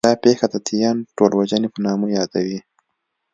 دا پېښه د 'تیان ټولوژنې' په نامه یادوي.